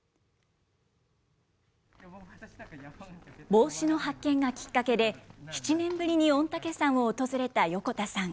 帽子の発見がきっかけで、７年ぶりに御嶽山を訪れた横田さん。